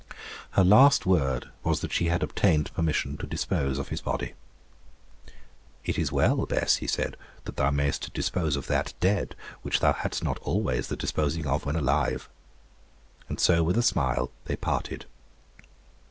Her last word was that she had obtained permission to dispose of his body. 'It is well, Bess,' he said, 'that thou mayst dispose of that dead, which thou hadst not always the disposing of when alive.' And so, with a smile, they parted.